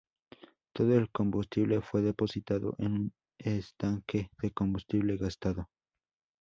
Todo el combustible fue depositado en un estanque de combustible gastado.